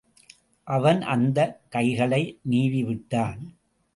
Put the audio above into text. அவன் அந்த கைகளை நீவிவிட்டான்.